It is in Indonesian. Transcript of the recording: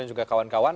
yang juga kawan kawan